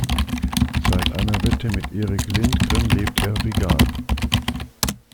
Seit einer Wette mit Erick Lindgren lebt er vegan.